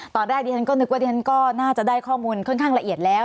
ตอนแรกดิฉันก็นึกว่าดิฉันก็น่าจะได้ข้อมูลค่อนข้างละเอียดแล้ว